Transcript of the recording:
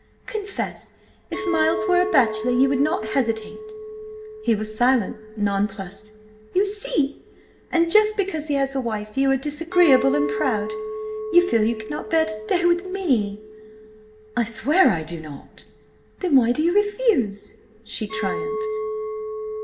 "Confess, if Miles were a bachelor, you would not hesitate?" He was silent, nonplussed. "You see! And just because he has a wife you are disagreeable and proud. You feel you cannot bear to stay with me—" "I swear I do not!" "Then why do you refuse?" she triumphed.